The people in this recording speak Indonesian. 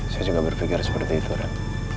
saya juga berpikir seperti itu kak